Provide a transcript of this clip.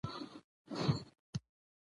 خپل خالق به در په ياد شي !